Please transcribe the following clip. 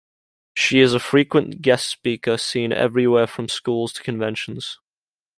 She is a frequent guest speaker, seen everywhere from schools to conventions.